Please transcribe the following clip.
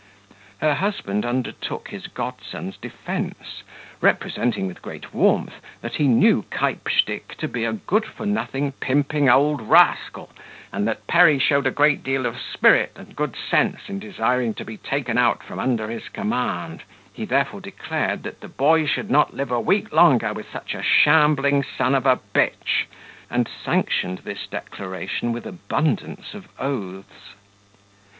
Her husband undertook his godson's defence, representing with great warmth that he knew Keypstick to be a good for nothing pimping old rascal, and that Perry showed a great deal of spirit and good sense in desiring to be taken from under his command; he therefore declared that the boy should not live a week longer with such a shambling son of a b , and sanctioned this declaration with abundance of oaths.